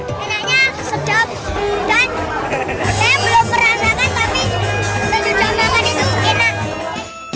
enaknya sedap dan saya belum merasakan tapi sesudah makan itu enak